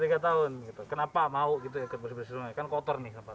tiga tahun kenapa mau ikut bersih bersih sungai kan kotor nih tempatnya